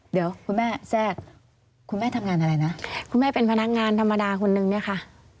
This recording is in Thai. เดี๋ยวคุณแม่แทรกคุณแม่ทำงานอะไรนะคุณแม่เป็นพนักงานธรรมดาคนนึงเนี่ยค่ะ